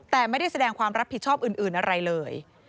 แต่ไม่ได้แสดงความรับผิดชอบอื่นอะไรเลย